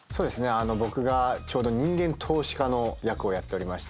僕が人間投資家の役をやっておりまして。